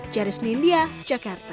charis nindya jakarta